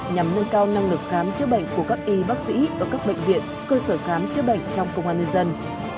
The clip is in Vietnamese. nhằm nâng cao năng lực khám chữa bệnh của các y bác sĩ ở các bệnh viện cơ sở khám chữa bệnh trong công an nhân dân